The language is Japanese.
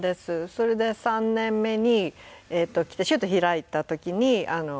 それで３年目に来てシュッと開いた時に戻ってきて。